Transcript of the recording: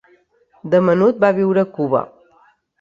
De menut va viure a Cuba.